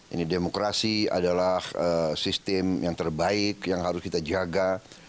ini demokrasi adalah sistem yang terbaik yang harus kita jaga